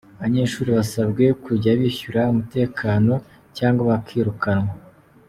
Abanyeshuri basabwe kujya bishyura umutekano cyangwa bakirukanwa